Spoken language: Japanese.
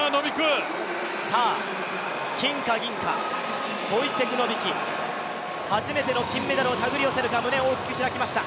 さあ、金か銀か、ボイチェク・ノビキ、初めての金メダルを手繰り寄せるか、胸を大きく開きました。